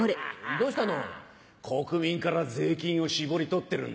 どうしたの？